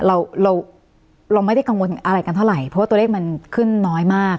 เราเราไม่ได้กังวลอะไรกันเท่าไหร่เพราะว่าตัวเลขมันขึ้นน้อยมาก